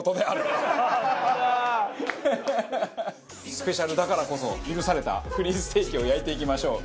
スペシャルだからこそ許されたフリーステーキを焼いていきましょう。